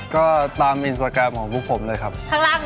ก็ตามอินสตาแกรมของพวกผมเลยครับ